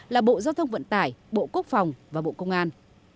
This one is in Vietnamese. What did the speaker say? là bộ giao thông vận tải bộ quốc phòng và bộ công an